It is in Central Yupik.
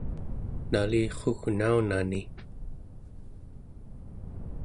nalirrugnaunani